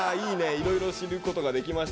いろいろ知ることができました。